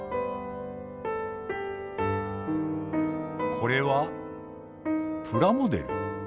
これはプラモデル？